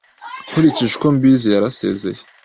Nkurikije uko mbizi, yarasezeye.